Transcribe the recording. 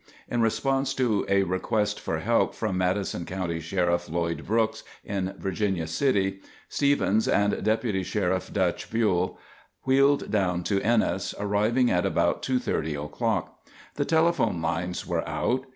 In response to a request for help from Madison County Sheriff Lloyd Brooks in Virginia City, Stevens and Deputy Sheriff "Dutch" Buhl wheeled down to Ennis, arriving at about 2:30 o'clock. The telephone lines were out.